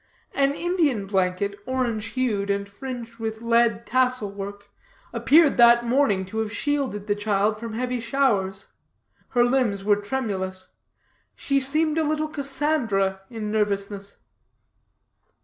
An Indian blanket, orange hued, and fringed with lead tassel work, appeared that morning to have shielded the child from heavy showers. Her limbs were tremulous; she seemed a little Cassandra, in nervousness.